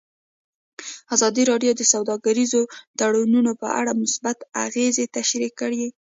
ازادي راډیو د سوداګریز تړونونه په اړه مثبت اغېزې تشریح کړي.